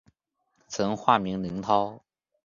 曾化名林涛。